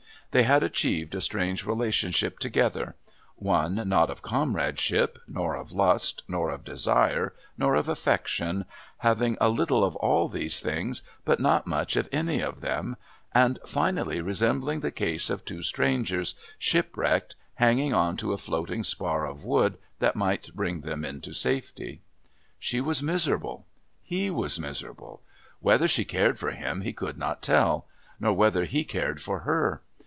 They had achieved a strange relationship together: one not of comradeship, nor of lust, nor of desire, nor of affection, having a little of all these things but not much of any of them, and finally resembling the case of two strangers, shipwrecked, hanging on to a floating spar of wood that might bring them into safety. She was miserable; he was miserable; whether she cared for him he could not tell, nor whether he cared for her.